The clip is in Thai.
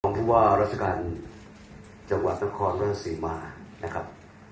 ท่านผู้ว่ารัฐการณ์จังหวัดน้ำคอร์นรัฐสีมานะครับ